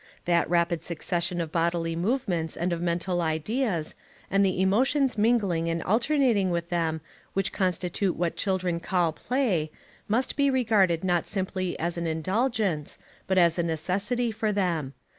That rapid succession of bodily movements and of mental ideas, and the emotions mingling and alternating with them, which constitutes what children call play, must be regarded not simply as an indulgence, but as a necessity for them.